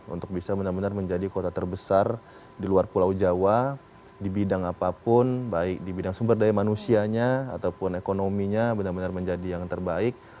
untuk bisa benar benar menjadi kota terbesar di luar pulau jawa di bidang apapun baik di bidang sumber daya manusianya ataupun ekonominya benar benar menjadi yang terbaik